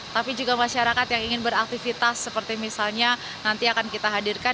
tapi juga masyarakat yang ingin beraktivitas seperti misalnya nanti akan kita hadirkan